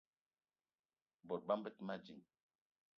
Bot bama be te ma ding.